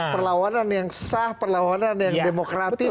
perlawanan yang sah perlawanan yang demokratis